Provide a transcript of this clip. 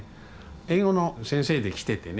英語の先生で来ててね。